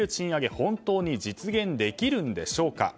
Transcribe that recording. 本当に実現できるんでしょうか。